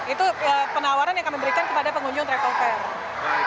itu penawaran yang kami berikan kepada pengunjung travel fair